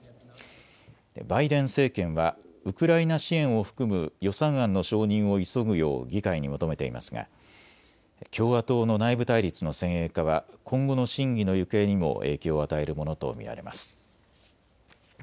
バイデン政権はウクライナ支援を含む予算案の承認を急ぐよう議会に求めていますが共和党の内部対立の先鋭化は今後の審議の行方にも影響を与えるものと見られます。